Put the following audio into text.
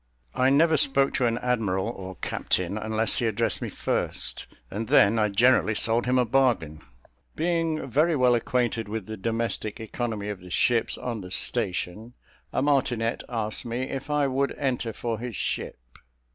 I never spoke to an admiral or captain unless he addressed me first; and then I generally sold him a bargain. Being very well acquainted with the domestic economy of the ships on the station, a martinet asked me if I would enter for his ship.